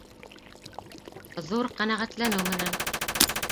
Ҙур ҡәнәғәтләнеү менән